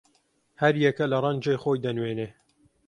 هەر یەکە لە ڕەنگێ خۆی دەنوێنێ